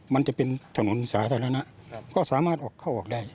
มันจะเป็นถนนสาธารณะก็สามารถออกเข้าออกได้